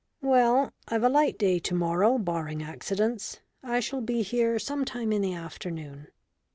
"Well, I've a light day to morrow, barring accidents. I shall be here some time in the afternoon."